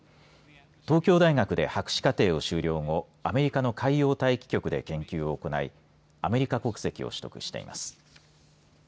東京大学で博士課程を修了後アメリカの海洋大気局で研究を行いアメリカ国籍を取得しています。